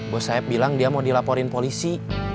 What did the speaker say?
bos saya bilang dia mau dilaporin polisi